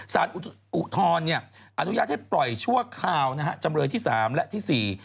สารอุทธอนนั้นอนุญาตให้ปล่อยชั่วคราวจำเลยที่๓และที่๔